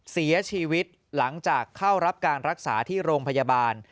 เสียชีวิตหลังจากเข้ารับการรักษาที่โรงพยาบาล